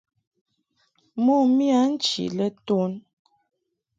Mo miya nchi lɛ ton.